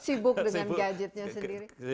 sibuk dengan gadgetnya sendiri